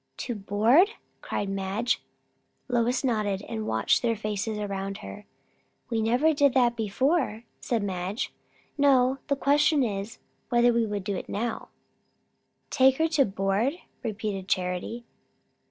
"To board?" cried Madge. Lois nodded, and watched the faces around her. "We never did that before," said Madge. "No. The question is, whether we will do it now." "Take her to board!" repeated Charity.